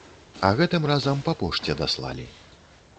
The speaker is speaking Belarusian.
А гэтым разам па пошце даслалі!